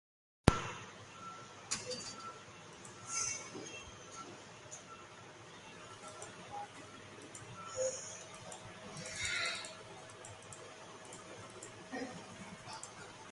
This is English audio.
Building a shelter can aid survival where there is danger of death from exposure.